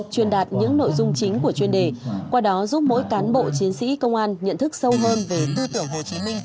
truyền đạt những nội dung chính của chuyên đề qua đó giúp mỗi cán bộ chiến sĩ công an nhận thức sâu hơn về tư tưởng hồ chí minh